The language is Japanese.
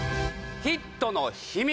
ヒットの秘密